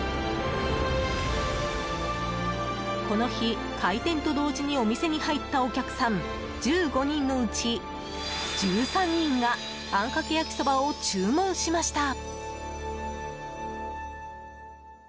この日、開店と同時にお店に入ったお客さん１５人のうち１３人があんかけ焼そばを注文しました。